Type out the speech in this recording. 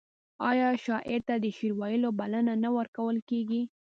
آیا شاعر ته د شعر ویلو بلنه نه ورکول کیږي؟